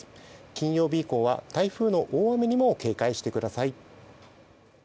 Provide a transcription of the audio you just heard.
金曜日以降は台風の大雨にも警戒してください。